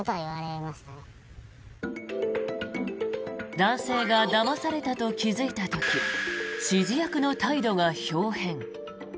男性がだまされたと気付いた時指示役の態度がひょう変。